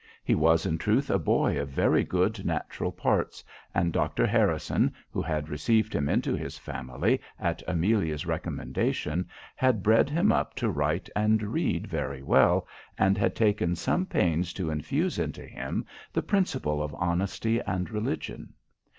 He was in truth a boy of very good natural parts; and Dr Harrison, who had received him into his family, at Amelia's recommendation, had bred him up to write and read very well, and had taken some pains to infuse into him the principles of honesty and religion.